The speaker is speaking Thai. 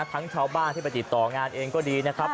ชาวบ้านที่ไปติดต่องานเองก็ดีนะครับ